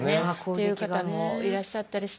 っていう方もいらっしゃったりして。